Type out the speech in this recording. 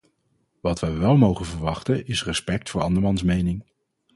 Wat wij wel mogen verwachten is respect voor andermans mening.